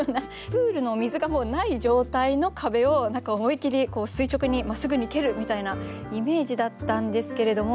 プールの水がもうない状態の壁を何か思い切り垂直にまっすぐに蹴るみたいなイメージだったんですけれども。